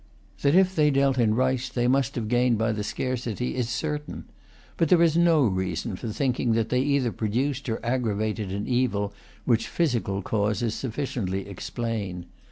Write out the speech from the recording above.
That, if they dealt in rice, they must have gained by the scarcity, is certain. But there is no reason for thinking that they either produced or aggravated an evil which physical causes sufficiently explain.